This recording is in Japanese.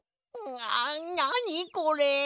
ななにこれ！？